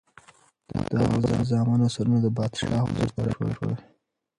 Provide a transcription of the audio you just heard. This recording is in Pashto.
د هغه د زامنو سرونه د پادشاه حضور ته راوړل شول.